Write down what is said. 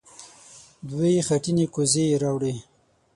دوې خټينې کوزې يې راوړې.